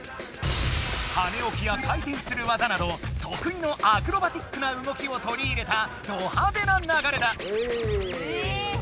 はねおきや回てんする技などとくいのアクロバティックな動きをとり入れたドはでな流れだ。